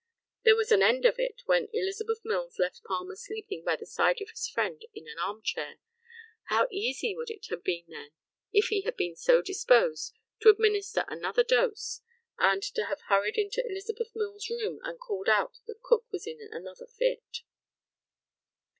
There was an end of it when Elizabeth Mills left Palmer sleeping by the side of his friend in an arm chair; how easy would it have been then, if he had been so disposed, to administer another dose, and to have hurried into Elizabeth Mill's room, and called out that Cook was in another fit?